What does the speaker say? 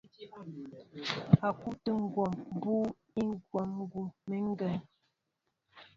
Á ŋ̀kú' tə̂ gwɛ́ mbʉ́ʉ́ í gwɔ̂ gʉ́meŋgeŋ.